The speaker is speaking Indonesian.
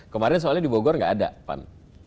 kemarin soalnya di bogor nggak ada pan